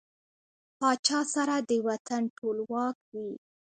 پاچا سره د وطن ټول واک وي .